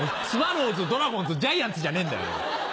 スワローズドラゴンズジャイアンツじゃねえんだあれ。